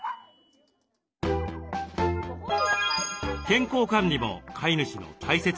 健康管理も飼い主の大切な役目。